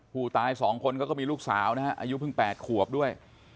ผู้ตาย๒คนเขาก็มีลูกสาวนะฮะอายุเพิ่ง๘ขวบด้วย